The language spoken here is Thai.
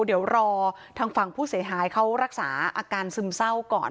เดี๋ยวรอทางฝั่งผู้เสียหายเขารักษาอาการซึมเศร้าก่อน